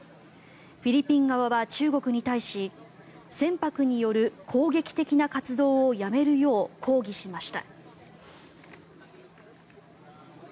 フィリピン側は中国に対し船舶による攻撃的な活動をやめるよう抗議しました。